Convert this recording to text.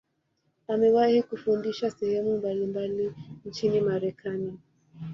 Amewahi kufundisha sehemu mbalimbali nchini Marekani.